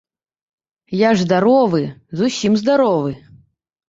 Я ж здаровы, зусім здаровы.